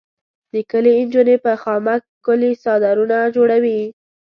د کلي انجونې په خامک ښکلي څادرونه جوړوي.